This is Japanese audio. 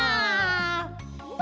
わ！